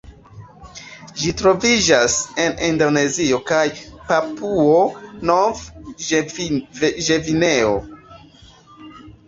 Ĝi troviĝas en Indonezio kaj Papuo-Nov-Gvineo.